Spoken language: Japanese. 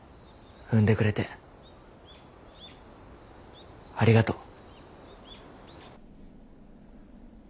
「産んでくれてありがとう」と。